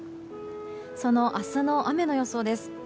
その明日の雨の予想です。